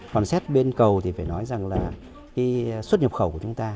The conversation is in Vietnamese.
còn xét bên cầu thì phải nói rằng là cái xuất nhập khẩu của chúng ta